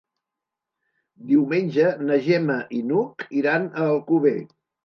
Diumenge na Gemma i n'Hug iran a Alcover.